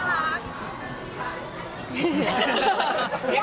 ก็คือพี่ที่อยู่เชียงใหม่พี่อธค่ะ